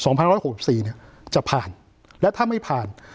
๒๑๖๔เนี่ยจะผ่านและถ้าไม่ผ่าน